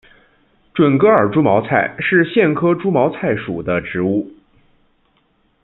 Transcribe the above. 准噶尔猪毛菜是苋科猪毛菜属的植物。